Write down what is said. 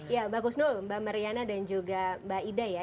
ya mbak kusnul mbak mariana dan juga mbak ida ya